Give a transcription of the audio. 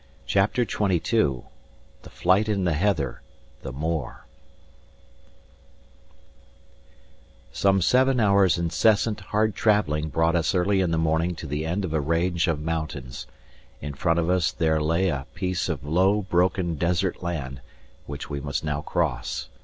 CHAPTER XXII THE FLIGHT IN THE HEATHER: THE MOOR Some seven hours' incessant, hard travelling brought us early in the morning to the end of a range of mountains. In front of us there lay a piece of low, broken, desert land, which we must now cross.